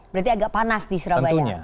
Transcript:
berarti agak panas di surabaya